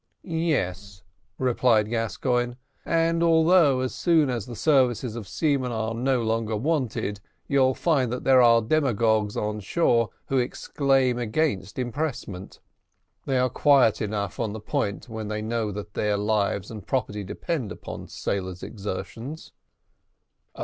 "Yes," replied Gascoigne, "and although, as soon as the services of seamen are no longer wanted, you find that there are demagogues on shore who exclaim against impressment, they are quiet enough on the point when they know that their lives and property depend upon sailors' exertions."